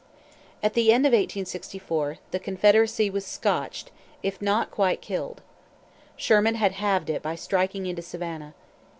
At the end of 1864, the Confederacy was scotched if not quite killed. Sherman had halved it by striking into Savannah.